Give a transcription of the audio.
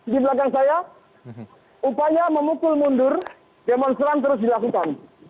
di belakang saya upaya memukul mundur demonstran terus dilakukan